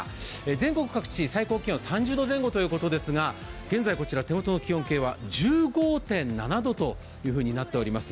全国各地、最高気温３０度前後ということですが現在こちら、手元の気温計は１５．７度となっております。